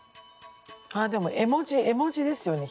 あでも絵文字絵文字ですよね